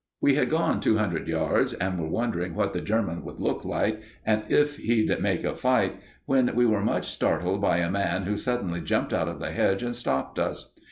We had gone two hundred yards, and were wondering what the German would look like, and if he'd make a fight, when we were much startled by a man who suddenly jumped out of the hedge and stopped us.